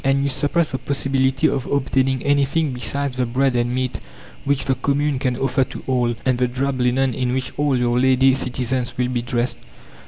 And you suppress the possibility of obtaining anything besides the bread and meat which the commune can offer to all, and the drab linen in which all your lady citizens will be dressed."